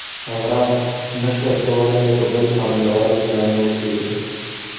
هغه نشوای کولی په بل پانګوال ګران وپلوري